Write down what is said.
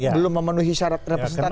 belum memenuhi syarat representatif